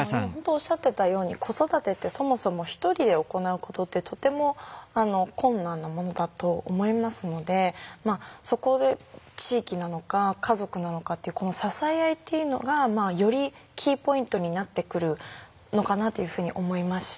おっしゃってたように子育てってそもそも一人で行うことってとても困難なものだと思いますのでそこで地域なのか家族なのかっていうこの支え合いっていうのがよりキーポイントになってくるのかなというふうに思いました。